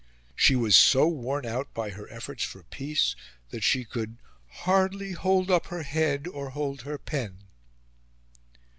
She was so worn out by her efforts for peace that she could "hardly hold up her head or hold her pen."